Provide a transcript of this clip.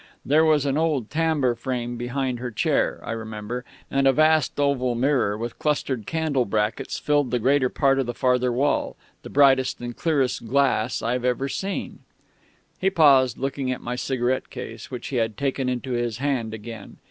There was an old tambour frame behind her chair, I remember, and a vast oval mirror with clustered candle brackets filled the greater part of the farther wall, the brightest and clearest glass I've ever seen...." He paused, looking at my cigarette case, which he had taken into his hand again.